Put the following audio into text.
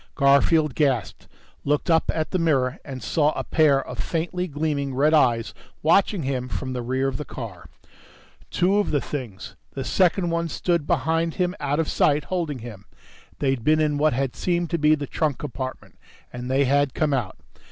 Garfield gasped, looked up at the mirror and saw a pair of faintly gleaming red eyes watching him from the rear of the car. Two of the things ... the second one stood behind him out of sight, holding him. They'd been in what had seemed to be the trunk compartment. And they had come out.